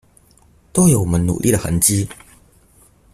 都有我們努力的痕跡